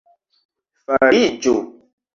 fariĝu